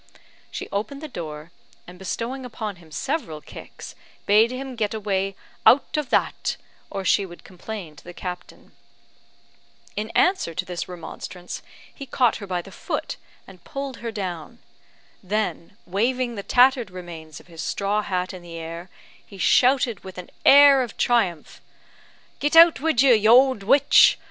She opened the door, and bestowing upon him several kicks, bade him get away "out of that," or she would complain to the captain. In answer to this remonstrance, he caught her by the foot, and pulled her down. Then waving the tattered remains of his straw hat in the air, he shouted with an air of triumph, "Git out wid you, you ould witch!